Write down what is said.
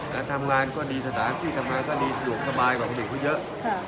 และทำงานก็ดีสถานที่ทำงานก็ดีหลวงสบายกว่าคนเด็กก็เยอะ